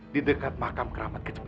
di dekat makam keramat kecil